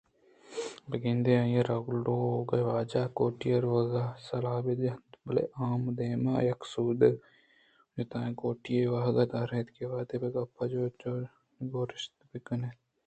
بہ گندے آئیءَ را لوگ واجہ ءِ کوٹی ءَ روگ ءِ سلاہ بہ جنت بلئے آ اے دمان ءَ یک آسودگ ءُ جتائیں کوٹی ءِ واہگ دار اَت کہ اودا پہ گیگ ءُگوٛر نشت بہ کنت کہ اُودا پیسل ءَ صابون